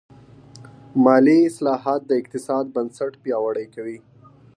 مالي اصلاحات د اقتصاد بنسټ پیاوړی کوي.